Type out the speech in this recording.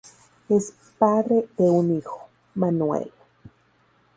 Es padre de un hijo, Manuel.